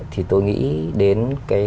thì tôi nghĩ đến